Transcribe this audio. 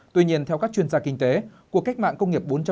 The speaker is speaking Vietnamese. tuy nhiên theo các chuyên gia kinh tế cuộc cách mạng công nghiệp bốn